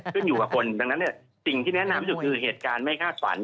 ขึ้นอยู่กับคนดังนั้นสิ่งที่แนะนำที่สุดคือเหตุการณ์ไม่คาดฝัน